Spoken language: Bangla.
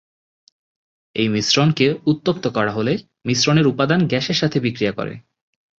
এই মিশ্রণকে উত্তপ্ত করা হলে মিশ্রণের উপাদান গ্যাসের সাথে বিক্রিয়া করে।